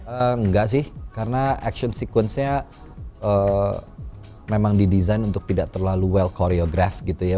enggak sih karena action sequence nya memang didesain untuk tidak terlalu well koreograph gitu ya